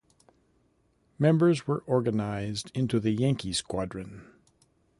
Members were organized into the Yankee Squadron.